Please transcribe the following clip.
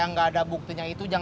kita mau ke tempat lain